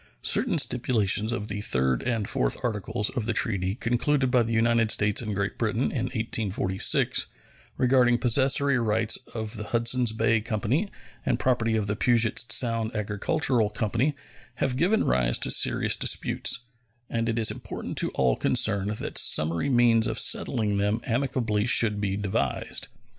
Certain stipulations of the third and fourth articles of the treaty concluded by the United States and Great Britain in 1846, regarding possessory rights of the Hudsons Bay Company and property of the Pugets Sound Agricultural Company, have given rise to serious disputes, and it is important to all concerned that summary means of settling them amicably should be devised.